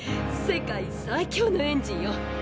世界最強のエンジンよ。